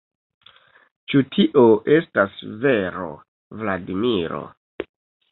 Ĉu tio estas vero, Vladimiro?